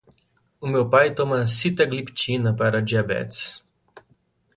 O meu pai toma sitagliptina para a diabetes